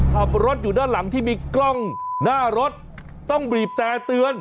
ขับรถอยู่ด้านหลังที่มีกล้องหน้ารถต้องบีบแต่เตือน